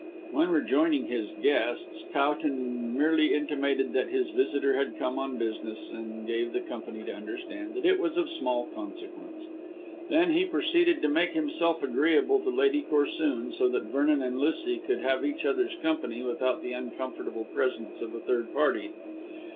When rejoining his guests, Towton merely intimated that his visitor had come on business, and gave the company to understand that it was of small consequence. Then he proceeded to make himself agreeable to Lady Corsoon, so that Vernon and Lucy could have each other's company without the uncomfortable presence of a third party.